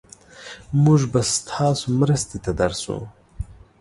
مونږ به ستاسو مرستې ته درشو.